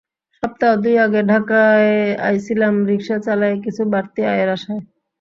সপ্তাহ দুই আগে ঢাকায় আইছিলাম রিক্সা চালায়ে কিছু বাড়তি আয়ের আশায়।